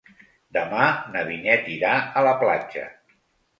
Demà na Vinyet irà a la platja.